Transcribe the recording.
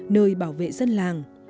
nơi bảo vệ dân làng